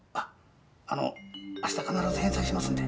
あの明日必ず返済しますんで。